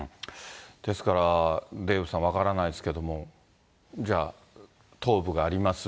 ですからデーブさん、分からないですけども、じゃあ、頭部があります。